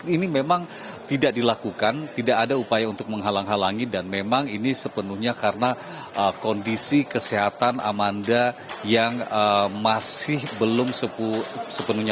ini memang tidak dilakukan tidak ada upaya untuk menghalang halangi dan memang ini sepenuhnya karena kondisi kesehatan amanda yang masih belum sepenuhnya